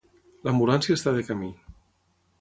L'ambulància està de camí.